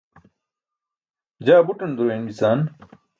jaa buṭan duroin bican